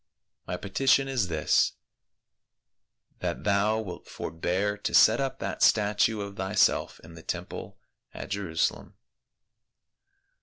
My petition is this, that thou wilt forbear to set up that statue of thyself in the temple at Jerusalem."